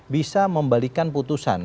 bisa membalikan putusan